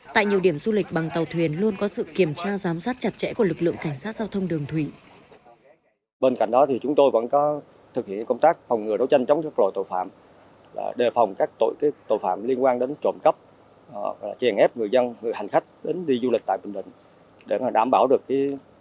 tại nhiều điểm du lịch bằng tàu thuyền luôn có sự kiểm tra giám sát chặt chẽ của lực lượng cảnh sát giao thông đường thủy